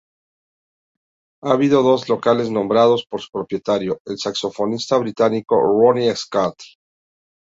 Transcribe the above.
Ha habido dos locales nombrados por su propietario, el saxofonista británico Ronnie Scott.